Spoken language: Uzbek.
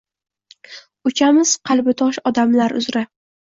Uchamiz qalbi tosh odamlar uzra.